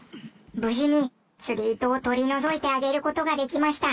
無事に釣り糸を取り除いてあげる事ができました。